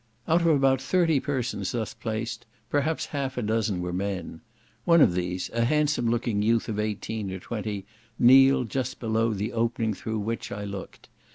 Out of about thirty persons thus placed, perhaps half a dozen were men. One of these, a handsome looking youth of eighteen or twenty, kneeled just below the opening through which I looked.